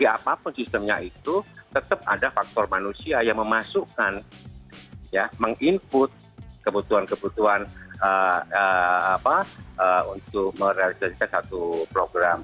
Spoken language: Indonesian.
apapun sistemnya itu tetap ada faktor manusia yang memasukkan ya meng input kebutuhan kebutuhan untuk merealisasikan satu program